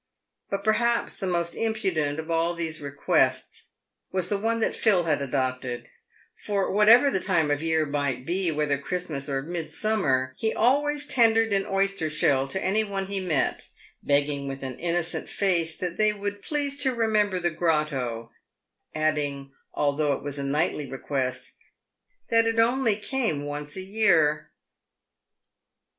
But perhaps the most impudent of all these re quests was the one that Phil had adopted ; for whatever the time of year might be — whether Christmas or Midsummer — he always tendered an oyster shell to any one he met, begging with an innocent face that they would " please to remember the grotto," adding — although it was a nightly request — "that it only came once a year."